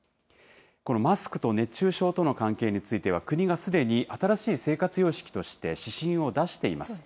このマスクと熱中症との関係については、国がすでに新しい生活様式として、指針を出しています。